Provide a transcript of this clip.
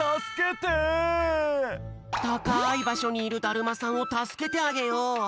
たかいばしょにいるだるまさんをたすけてあげよう！